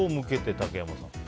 竹山さん。